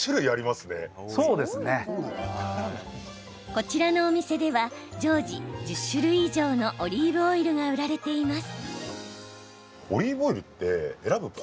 こちらのお店では常時１０種類以上のオリーブオイルが売られています。